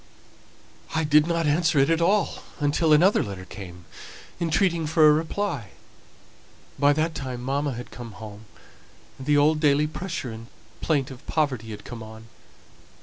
"I did not answer it at all until another letter came, entreating for a reply. By that time mamma had come home, and the old daily pressure and plaint of poverty had come on.